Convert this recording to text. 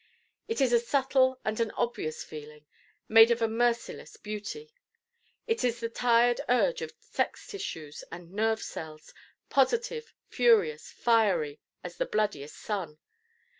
It is a subtle and an obvious feeling, made of a merciless beauty. It is the tired urge of sex tissues and nerve cells: positive, furious, fiery as the bloodiest sun.